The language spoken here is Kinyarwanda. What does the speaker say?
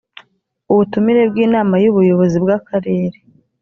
ubutumire bw inama y ubuyobozi bw akarere